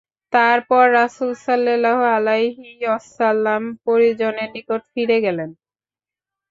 তারপর রাসূলুল্লাহ সাল্লাল্লাহু আলাইহি ওয়াসাল্লাম পরিজনের নিকট ফিরে গেলেন।